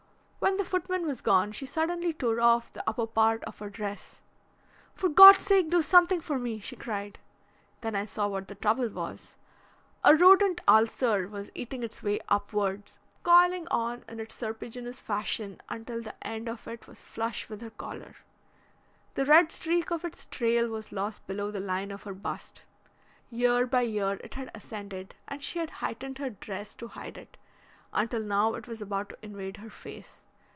When the footman was gone she suddenly tore off the upper part of her dress. 'For Gods sake do something for me!' she cried. Then I saw what the trouble was. A rodent ulcer was eating its way upwards, coiling on in its serpiginous fashion until the end of it was flush with her collar. The red streak of its trail was lost below the line of her bust. Year by year it had ascended and she had heightened her dress to hide it, until now it was about to invade her face.